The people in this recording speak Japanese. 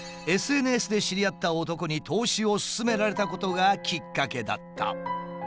ＳＮＳで知り合った男に投資を勧められたことがきっかけだった。